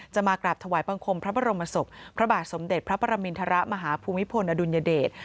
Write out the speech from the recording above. มากราบถวายบังคมพระบรมศพพระบาทสมเด็จพระปรมินทรมาฮภูมิพลอดุลยเดช